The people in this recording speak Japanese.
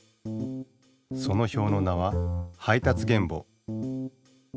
そのひょうの名は配達原簿。